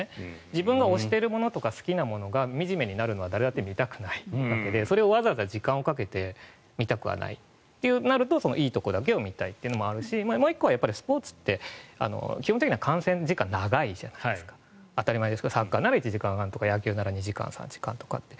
自分が推しているものとか好きなものがみじめになるのは誰だって見たくないわけでそれをわざわざ時間をかけて見たくはないとなるといいところだけを見たいというのもあるしもう１個はスポーツって基本的には観戦時間が長いじゃないですか当たり前ですけどサッカーなら１時間半とか野球なら２時間３時間とかって。